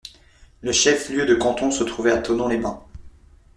Le chef-lieu de canton se trouvait à Thonon-les-Bains.